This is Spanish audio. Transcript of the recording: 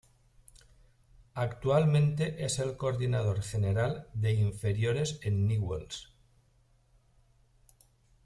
Actualmente es el coordinador general de inferiores en Newell's.